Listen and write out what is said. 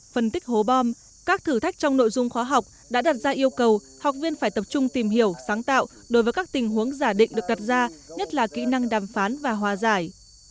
phân tích hố bom các thử thách trong nội dung khóa học đã đặt ra yêu cầu học viên phải tập trung tìm hiểu sáng tạo đối với các tình huống giả định được đặt ra nhất là kỹ năng đàm phán và hòa giải